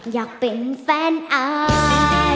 อยากเป็นแฟนอาย